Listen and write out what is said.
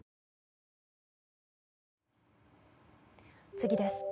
次です。